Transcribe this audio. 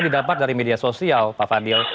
didapat dari media sosial pak fadil